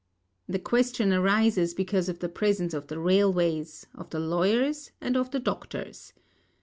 The question arises because of the presence of the railways, of the lawyers and of the doctors.